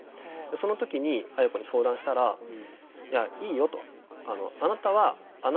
その時に綾子に相談したら「いやいいよ」と。